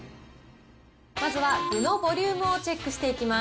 まずは具のボリュームをチェックしていきます。